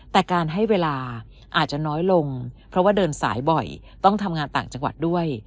แต่การให้เวลาอาจจะน้อยลงเพราะว่าเดินสายบ่อยต้องทำงานต่างจังหวัดด้วย